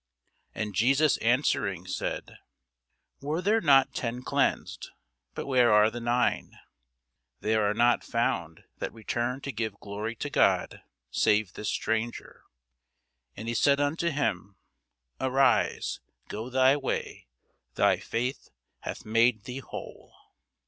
And Jesus answering said, Were there not ten cleansed? but where are the nine? There are not found that returned to give glory to God, save this stranger. And he said unto him, Arise, go thy way: thy faith hath made thee whole.